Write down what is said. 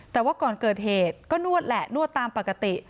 แต่ว่าก่อนเกิดเหตุก็นวดแหละนวดตามปกติ